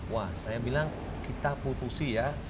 wah saya bilang kita putusi ya